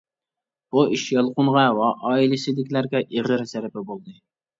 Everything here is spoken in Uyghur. بۇ ئىش يالقۇنغا ۋە ئائىلىسىدىكىلەرگە ئېغىر زەربە بولدى.